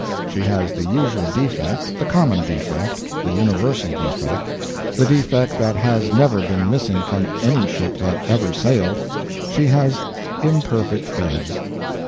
She has the usual defect, the common defect, the universal defect, the defect that has never been missing from any ship that ever sailed she has imperfect beds.